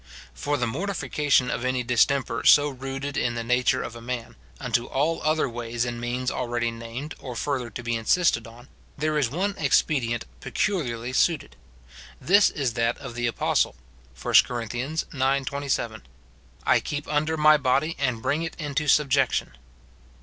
3. For the mortification of any distemper so rooted in the nature of a man, unto all other ways and means already named or further to be insisted on, there is one expedient peculiarly suited ; this is that of the apostle, 1 Cor. ix. 27, " I keep under my body, and bring it into subjec tion."